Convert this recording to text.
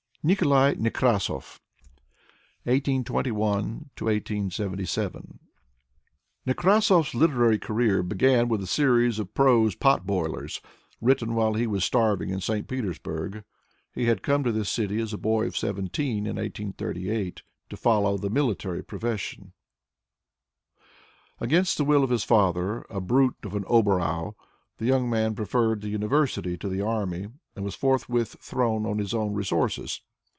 Nikolai Nekrasov (1821 1877) Nekrasov's literary career began with a series of prose pot boilers, written while he was starving in St. Petersburg. He had come to this city as a boy of seventeen in 1838, to follow the military profession. Against the will of his father, a brute of an hobereau, the young man preferred the university to the army, and was forthwith thrown on his own resources.